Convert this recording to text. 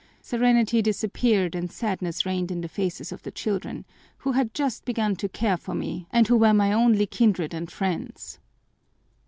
Serenity disappeared and sadness reigned in the faces of the children, who had just begun to care for me, and who were my only kindred and friends.